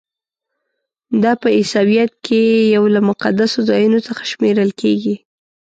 دا په عیسویت کې یو له مقدسو ځایونو څخه شمیرل کیږي.